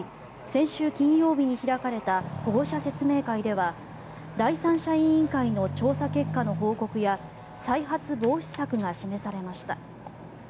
先週金曜日に開かれた保護者説明会では第三者委員会の調査結果の報告や再発防止策が示されました。